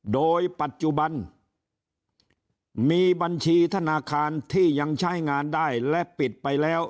โดยปัจจุบันมีบัญชีธนาคารที่ยังใช้งานได้และปิดไปแล้ว